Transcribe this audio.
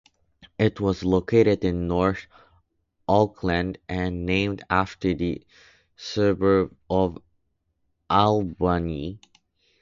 It was located in north Auckland, and named after the suburb of Albany.